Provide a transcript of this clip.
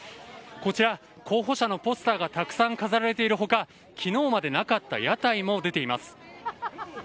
こちら、候補者のポスターがたくさん飾られているほか、きのうまでなかった屋台も出ています。